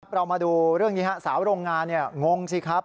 เรามาดูเรื่องนี้ครับสาวโรงงานเนี่ยงงสิครับ